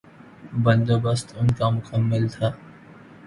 بندوبست ان کا مکمل تھا۔